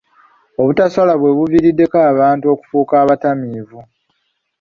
Obutaswala bwe buviiriddeko abantu okufuuka abatamiivi.